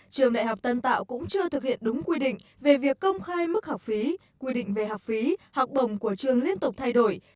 trường đại học tân tạo cũng chưa thực hiện đúng quy định về việc công khai mức học phí quy định về học phí học bổng của trường liên tục thay đổi